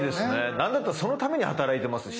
何だったらそのために働いてますし。